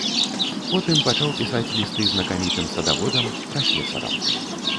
Потым пачаў пісаць лісты знакамітым садаводам, прафесарам.